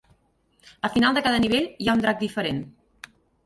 Al final de cada nivell hi ha un drac diferent.